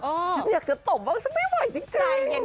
ฉันอยากจะตบฉันไม่ไหวจริง